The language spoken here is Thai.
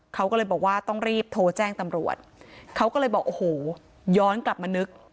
เขาก็เลยบอกว่าต้องรีบโทรแจ้งตำรวจเขาก็เลยบอกโอ้โหย้อนกลับมานึก